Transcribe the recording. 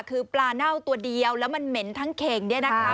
คือปลาเน่าตัวเดียวแล้วมันเหม็นทั้งเข่ง